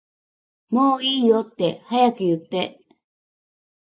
もういいよって早く言って